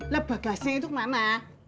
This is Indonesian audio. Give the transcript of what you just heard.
lah bagasnya itu kemana